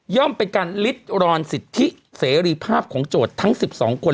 เป็นการลิดรอนสิทธิเสรีภาพของโจทย์ทั้ง๑๒คน